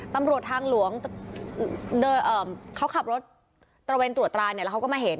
ตำรวจทางหลวงเขาขับรถตระเวนตรวจตราเนี่ยแล้วเขาก็มาเห็น